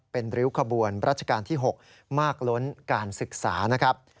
เป็นริ้วขบวนรัชกาลที่๖มากล้นการศึกษานะครับ